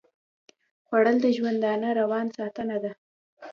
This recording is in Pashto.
خوړل د ژوندانه روان ساتنه ده